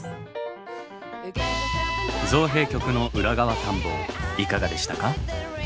造幣局の裏側探訪いかがでしたか？